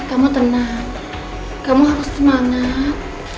kamu tenang kamu harus semangat